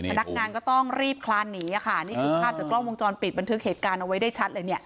พนักงานก็ต้องรีบคลานหนีค่ะนี่คือภาพจากกล้องวงจรปิดบันทึกเหตุการณ์เอาไว้ได้ชัดเลยเนี่ย